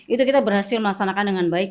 itu kita berhasil melaksanakan dengan baik